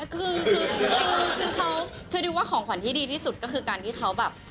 คือคือดิวว่าของขวัญที่ดีที่สุดก็คือการที่เขาแบบ